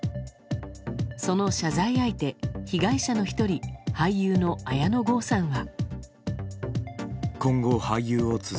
その謝罪相手、被害者の１人俳優の綾野剛さんは。